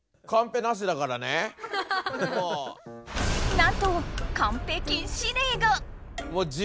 なんとカンペ禁止令が！